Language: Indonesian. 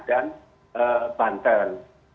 dan kemudian banten